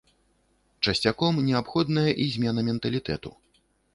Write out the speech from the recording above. Часцяком неабходная і змена менталітэту.